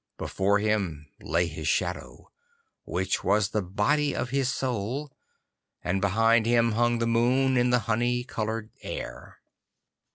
Before him lay his shadow, which was the body of his soul, and behind him hung the moon in the honey coloured air.